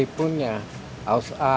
untuk genoteknya bisa disantap dengan roti